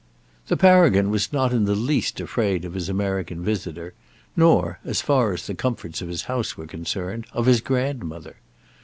The Paragon was not in the least afraid of his American visitor, nor, as far as the comforts of his house were concerned, of his grandmother.